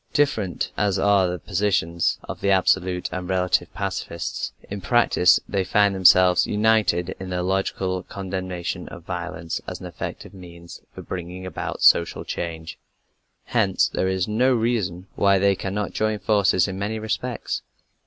Different as are the positions of the absolute and the relative pacifists, in practice they find themselves united in their logical condemnation of violence as an effective means for bringing about social change. Hence there is no reason why they cannot join forces in many respects.